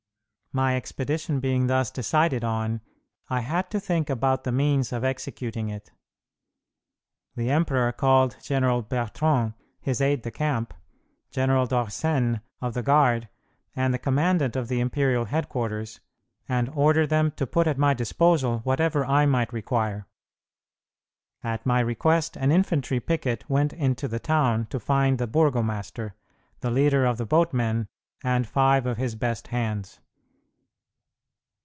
My expedition being thus decided on, I had to think about the means of executing it. The emperor called General Bertrand, his aide de camp, General Dorsenne, of the guard, and the commandant of the imperial headquarters, and ordered them to put at my disposal whatever I might require. At my request an infantry picket went into the town to find the burgomaster, the leader of the boatmen, and five of his best hands.